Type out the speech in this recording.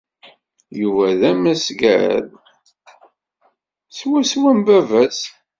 Yuba d amasgad, swaswa am baba-s.